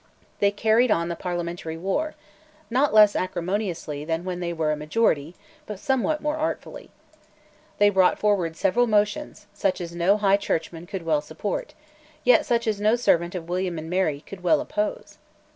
They carried on the parliamentary war, not less acrimoniously than when they were a majority, but somewhat more artfully. They brought forward several motions, such as no High Churchman could well support, yet such as no servant of William and Mary could well oppose.